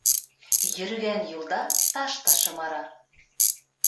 Йөрөгән юлда таш та шымара.